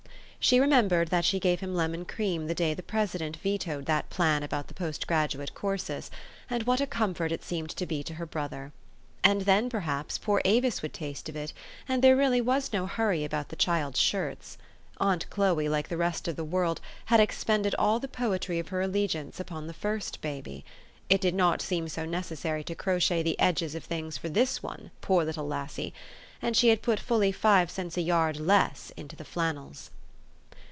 She remembered that she gave him lemon cream the day the president vetoed that plan about the post graduate courses ; and what a comfort it seemed to be to her brother ! And then perhaps poor Avis would taste of it ; and there really was no hurry about the child's shirts. Aunt Chloe, like the rest of the world, had expended all the poetry of her allegiance upon the first baby. It did not seem so necessary to crochet the edges of things for this one, poor little lassie ; and she had put fully five cents a yard less into the flannels.